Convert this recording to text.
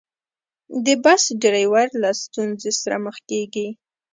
د بس ډریور له ستونزې سره مخ کېږي.